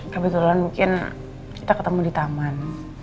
kebetulan mungkin kita ketemu di taman